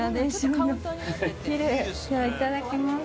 いただきます。